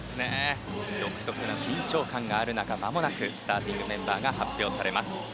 独特な緊張感がある中まもなくスターティングメンバーが発表されます。